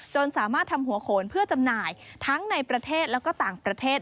สามารถทำหัวโขนเพื่อจำหน่ายทั้งในประเทศแล้วก็ต่างประเทศ